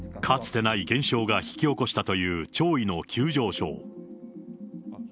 かつてない現象が引き起こしたという潮位の急上昇。